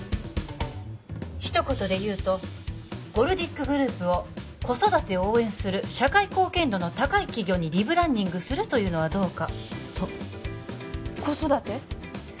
一言で言うとゴルディックグループを子育てを応援する社会貢献度の高い企業にリブランディングするというのはどうかと子育て？